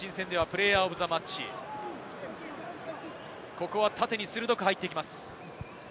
ここは縦に鋭く入っていきます。